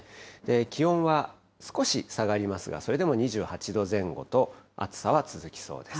気温は少し下がりますが、それでも２８度前後と、暑さは続きそうです。